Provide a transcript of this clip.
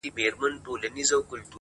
د مودو ستړي پر وجود بـانـدي خـولـه راځي;